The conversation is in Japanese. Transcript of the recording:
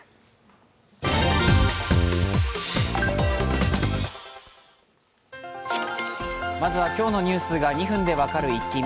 まずは、今日のニュースが２分で分かるイッキ見。